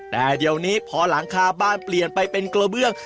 แต่เดี๋ยวนี้พอหลังคาบ้านเปลี่ยนไปเป็นกระเบื้อง